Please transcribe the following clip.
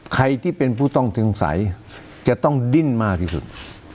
ใครที่เป็นผู้ต้องสงสัยจะต้องดิ้นมากที่สุด